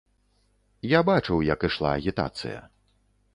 Я бачыў, як ішла агітацыя.